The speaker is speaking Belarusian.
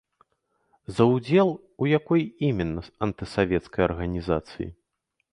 За ўдзел у якой іменна антысавецкай арганізацыі?